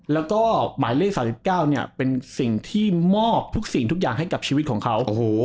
แล้วก็หมายเลข๓๙เป็นสิ่งที่มอบทุกสิ่งทุกอย่างให้กับชีวิตของเขา